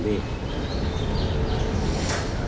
ยังรักมั้ยถ้าสิ่งศักดิ์สิทธิ์ที่นี่มีจริงนะ